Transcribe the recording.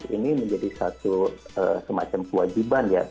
ini menjadi satu semacam kewajiban ya